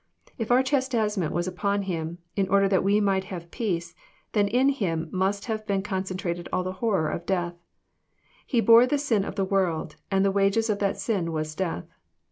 If our chastisement was upon Him, in order that we might have peace, then in Him must have been concentrated all the horror of dea ih* He bore the sin of the world, and the wages of that sin was death.